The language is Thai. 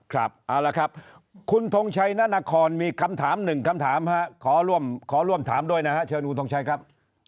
ครับเอาล่ะครับคุณทงชัยณณครมีคำถาม๑คำถาม๕ขอร่วมถามด้วยนะครับ